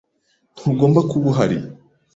Ntugomba kuba uhari?